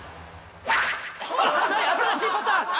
新しいパターン！